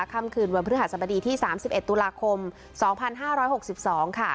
ข้ามคืนวันพฤหฌสรดีที่สามสิบเอ็ดตุลาคมสองพันห้าร้อยหกสิบสองค่ะ